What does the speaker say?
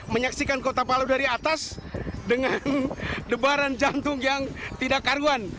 menyaksikan kota palu dari atas dengan debaran jantung yang tidak karuan